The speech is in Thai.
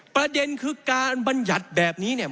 ประเด็นคือการบรรยัติแบบนี้เนี่ย